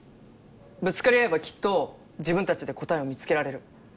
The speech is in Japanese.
ぶつかり合えばきっと自分たちで答えを見つけられる。